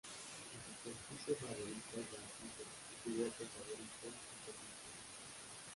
Su superficie favorita es la arcilla y su golpe favorito el servicio.